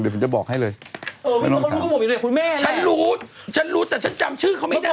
ไม่ต้องถาม